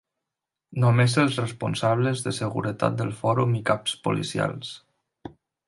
Només els responsables de seguretat del Fòrum i caps policials.